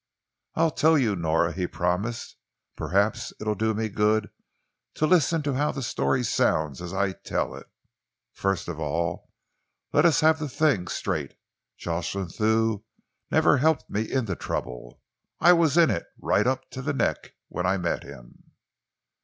"I'll tell you, Nora," he promised. "Perhaps it'll do me good to listen how the story sounds as I tell it. First of all, let us have the thing straight. Jocelyn Thew never helped me into trouble. I was in it, right up to the neck, when I met him."